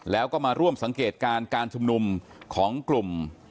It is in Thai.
แล้วก็มาร่วมสังเกตการณ์การชุมนุมของกลุ่ม